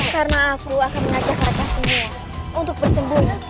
karena aku akan mengajak mereka semua untuk bersembunyi